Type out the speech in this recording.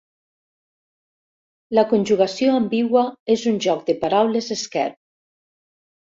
La conjugació ambigua és un joc de paraules esquerp.